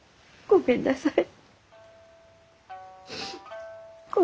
ごめんなさい。